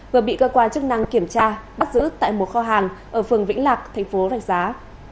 vừa bị cơ quan chức năng kiểm tra bắt giữ tại một kho hàng ở phường vĩnh lạc tp đàm giá